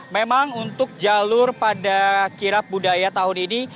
memang untuk jalur pada kirap budaya tahun ini